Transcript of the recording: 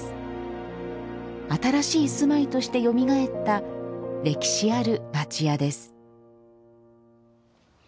新しい住まいとしてよみがえった歴史ある町家です